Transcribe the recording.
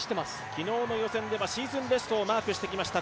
昨日の予選ではシーズンベストをマークしてきました。